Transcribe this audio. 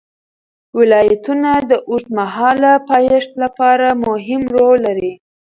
ولایتونه د اوږدمهاله پایښت لپاره مهم رول لري.